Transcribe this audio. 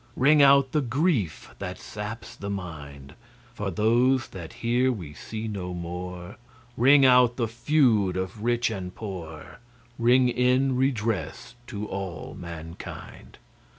Ring out the grief that saps the mind, For those that here we see no more, Ring out the feud of rich and poor, Ring in redress to all mankind.